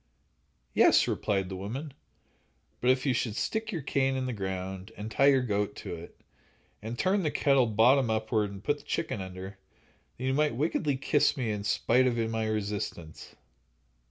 "Yes," replied the woman; "but if you should stick your cane in the ground and tie your goat to it, and turn the kettle bottom upward and put the chicken under, then you might wickedly kiss me in spite of my resistance."